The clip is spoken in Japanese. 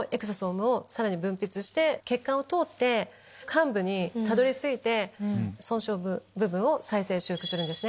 血管を通って患部にたどり着いて損傷部分を再生修復するんですね。